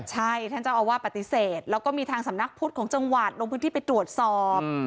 ใช่ท่านเจ้าอาวาสปฏิเสธแล้วก็มีทางสำนักพุทธของจังหวัดลงพื้นที่ไปตรวจสอบ